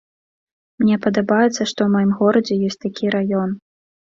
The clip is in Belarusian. Мне падабаецца, што ў маім горадзе ёсць такі раён.